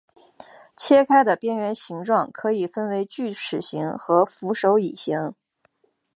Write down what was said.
切开的边缘形状可以分为锯齿形和扶手椅形。